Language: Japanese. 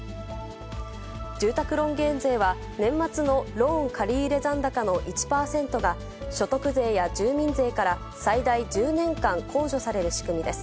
住宅ローン減税は、年末のローン借り入れ残高の１％が、所得税や住民税から最大１０年間控除される仕組みです。